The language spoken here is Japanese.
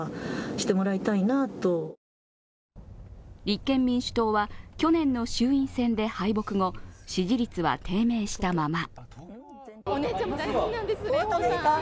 立憲民主党は去年の衆院選で敗北後、支持率は低迷したまま。